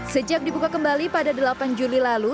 sejak dibuka kembali pada delapan juli lalu